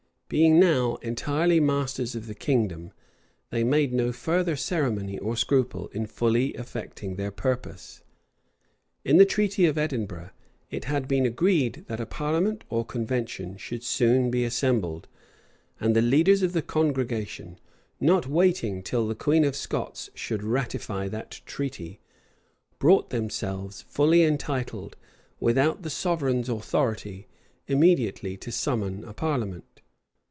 Being now entirely masters of the kingdom, they made no further ceremony or scruple in fully effecting their purpose. In the treaty of Edinburgh, it had been agreed, that a parliament or convention should soon be assembled; and the leaders of the congregation, not waiting till the queen of Scots should ratify that treaty, thought themselves fully entitled, without the sovereign's authority, immediately to summon a parliament.